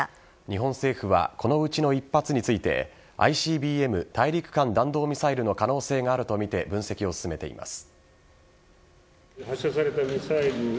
日本政府はこのうちの１発についてＩＣＢＭ＝大陸間弾道ミサイルの可能性があるとみて分析を進めています。